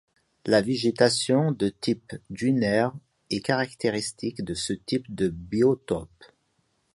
La végétation de type dunaire est caractéristique de ce type de biotope.